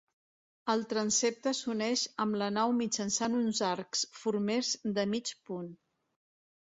El transsepte s'uneix amb la nau mitjançant uns arcs formers de mig punt.